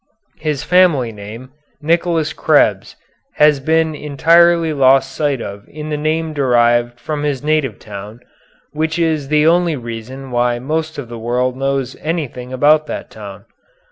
His family name, Nicholas Krebs, has been entirely lost sight of in the name derived from his native town, which is the only reason why most of the world knows anything about that town.